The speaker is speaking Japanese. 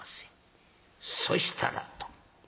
「そしたら」と。